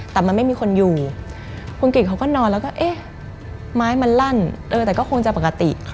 แต่มันไม่มีคนอยู่คุณกิจเขาก็นอนแล้วก็เอ๊ะไม้มันลั่นแต่ก็คงจะปกติ